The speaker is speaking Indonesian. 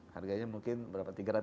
harganya mungkin tiga ratus ribu sekarang